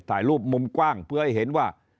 ถ่ายรูปมุมกว้างเพื่อให้เห็นว่า